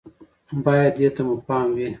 بايد دې ته مو پام وي